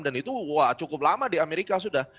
dan itu cukup lama di amerika sudah